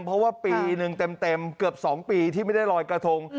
เพราะว่าปีหนึ่งเต็มเกือบ๒ปีที่ไม่ได้ลอยกระทง